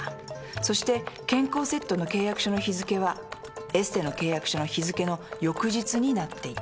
そして健康セットの契約書の日付はエステの契約書の日付の翌日になっていた。